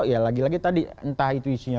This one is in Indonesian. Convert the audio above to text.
ya lagi lagi tadi entah itu isinya